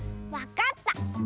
わかった！